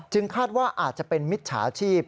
คาดว่าอาจจะเป็นมิจฉาชีพ